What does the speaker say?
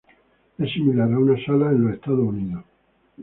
Es similar a una sala en los Estados Unidos.